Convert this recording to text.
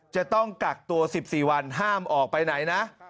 จะต้องกักตัว๑๔วันห้ามออกไปไหนนะ